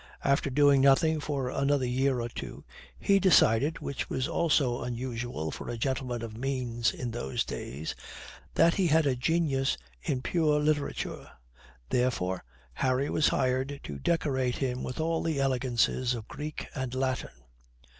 After doing nothing for another year or two, he decided (which was also unusual for a gentleman of means in those days) that he had a genius in pure literature. Therefore Harry was hired to decorate him with all the elegances of Greek and Latin.